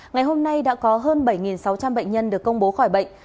ngày hôm nay đã có hơn bảy sáu trăm linh bệnh nhân được công bố khỏi bệnh